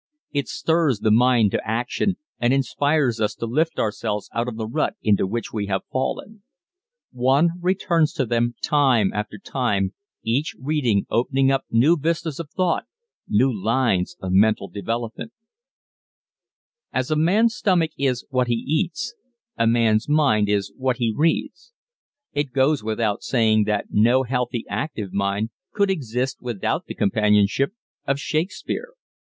It stirs the mind to action and inspires us to lift ourselves out of the rut into which we have fallen. One returns to them time after time, each reading opening up new vistas of thought, new lines of mental development. [Illustration: A Scene from "His Picture in the Papers"] As a man's stomach is what he eats, a man's mind is what he reads. It goes without saying that no healthy, active mind could exist without the companionship of Shakespeare.